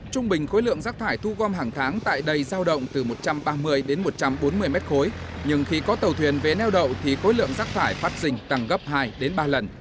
trung bình khối lượng rác thải thu gom hàng tháng tại đây giao động từ một trăm ba mươi đến một trăm bốn mươi mét khối nhưng khi có tàu thuyền vế neo đậu thì khối lượng rác thải phát sinh tăng gấp hai đến ba lần